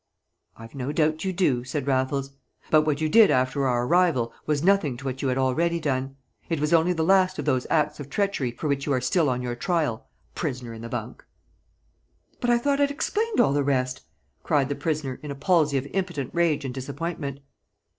"I've no doubt you do," said Raffles. "But what you did after our arrival was nothing to what you had already done; it was only the last of those acts of treachery for which you are still on your trial prisoner in the bunk!" "But I thought I'd explained all the rest?" cried the prisoner, in a palsy of impotent rage and disappointment.